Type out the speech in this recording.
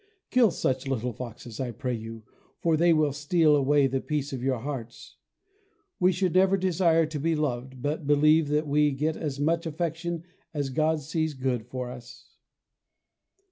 Kill such little foxes, I pray you, for they will steal away the peace of your hearts. We should never desire to be loved, but believe that we get as much affection as God sees good for us.